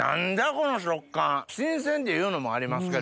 この食感新鮮っていうのもありますけど。